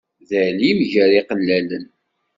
D alim gar iqellalen.